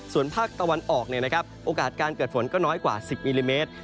ส่วนภาคตะวันออกโอกาสการเกิดฝนก็น้อยกว่า๑๐มิลลิเมตร